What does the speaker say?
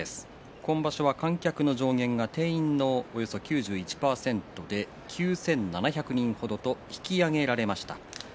今場所は観客の上限が定員のおよそ９１％で９７００人程と引き上げられました。